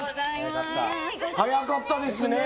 速かったですね。